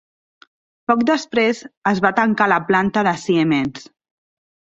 Poc després, es va tancar la planta de Siemens.